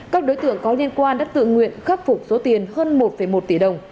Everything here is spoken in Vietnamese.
các đối tượng có liên quan đã tự nguyện khắc phục số tiền hơn một một tỷ đồng